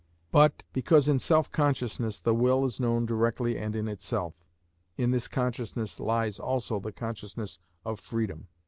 But because in self consciousness the will is known directly and in itself, in this consciousness lies also the consciousness of freedom.